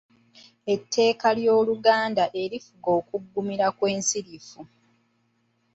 Etteeka ly’Oluganda erifuga okuggumira kw’ensirifu.